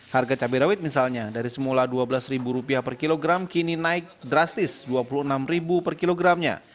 harga cabai rawit misalnya dari semula dua belas ribu rupiah per kilogram kini naik drastis dua puluh enam ribu per kilogramnya